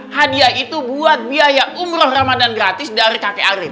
hadiah itu buat biaya umroh ramadan gratis dari kakek arif